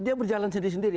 dia berjalan sendiri sendiri